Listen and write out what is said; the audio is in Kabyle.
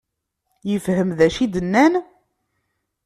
Yefhem d acu i d-nnan?